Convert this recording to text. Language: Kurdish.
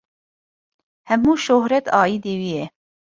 Hemû şohret aîdî wî ye.